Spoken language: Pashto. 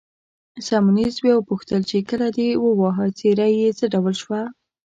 سیمونز بیا وپوښتل چې، کله دې وواهه، څېره یې څه ډول شوه؟